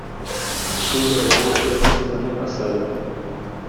O velório foi na semana passada.